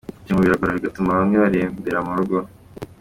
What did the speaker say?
Ibyo ngo birabagora bigatuma bamwe barembera mu rugo.